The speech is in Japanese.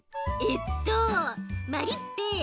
えっとまりっぺ